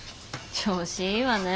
調子いいわね。